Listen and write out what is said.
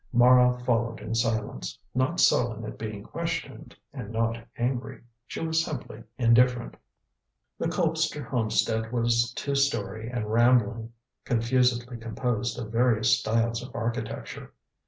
Mara followed in silence, not sullen at being questioned and not angry. She was simply indifferent. The Colpster homestead was two storey and rambling, confusedly composed of various styles of architecture.